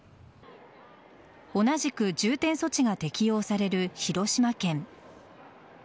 同じく重点措置が適用される広島県。